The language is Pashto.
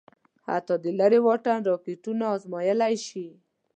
حتی د لېرې واټن راکېټونه ازمايلای شي.